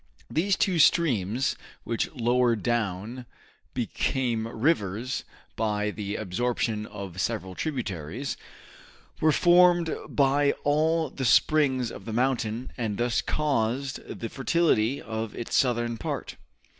These two streams, which lower down became rivers by the absorption of several tributaries, were formed by all the springs of the mountain and thus caused the fertility of its southern part.